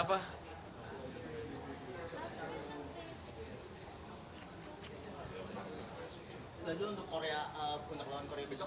masih ada yang mau komen